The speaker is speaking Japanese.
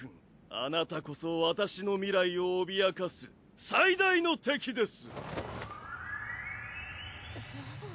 あなたこそ私の未来を脅かす最大の敵です！